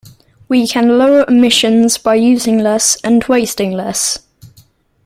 We can lower emissions by using less and wasting less.